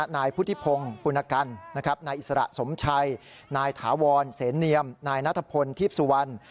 นายพุทธิพงศ์ปุณกันนายอิสระสมชัยนายถาวรเสนเนียมนายนัทพลทีพสุวรรณ